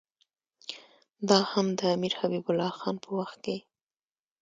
دا هم د امیر حبیب الله خان په وخت کې.